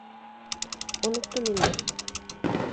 Оноттом инде.